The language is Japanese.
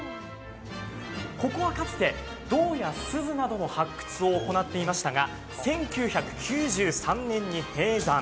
ここはかつて銅やすずなどの発掘を行っていましたが、１９９３年に閉山。